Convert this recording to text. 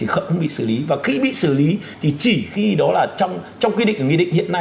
cục cảnh sát giao thông bộ công an